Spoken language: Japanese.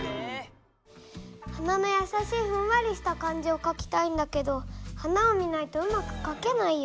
花のやさしいふんわりした感じをかきたいんだけど花を見ないとうまくかけないよ。